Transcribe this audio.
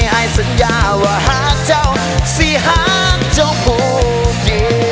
ไห้สัญญาว่าฮักเจ้าสิฮักเจ้าพูด